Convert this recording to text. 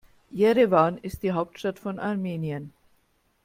Jerewan ist die Hauptstadt von Armenien.